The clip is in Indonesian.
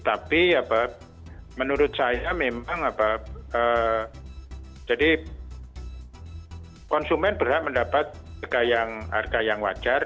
tapi menurut saya memang jadi konsumen berhak mendapat harga yang wajar